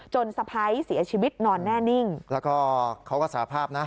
สะพ้ายเสียชีวิตนอนแน่นิ่งแล้วก็เขาก็สาภาพนะ